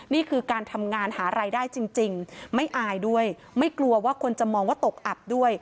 นี่คือการทำงานหารายได้จริงไม่อายด้วยไม่กลัวว่าคนจะมองว่าตกอับด้วย